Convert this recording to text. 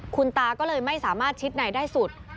คุณตาก็เลยไม่สามารถชิดในได้สุด